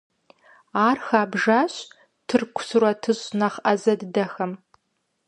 Ар хабжащ тырку сурэтыщӀ нэхъ Ӏэзэ дыдэхэм.